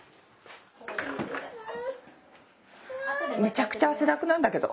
めちゃくちゃ汗だくなんだけど。